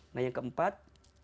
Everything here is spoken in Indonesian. nah yang keempat